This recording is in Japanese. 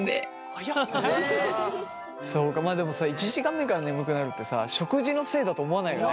そうかまあでもそう１時間目から眠くなるってさ食事のせいだと思わないよね。